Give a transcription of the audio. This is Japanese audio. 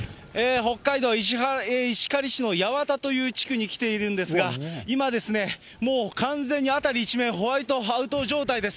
北海道石狩市のやわたという地区に来ているんですが、今、もう完全に辺り一面、ホワイトアウト状態です。